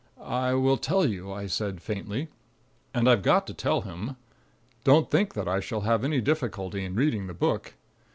"I will tell you," I said faintly. And I've got to tell him. Don't think that I shall have any difficulty in reading the book.